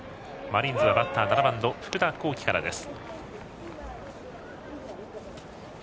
マリーンズはバッター７番の福田光輝からです。